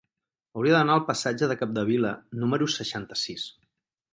Hauria d'anar al passatge de Capdevila número seixanta-sis.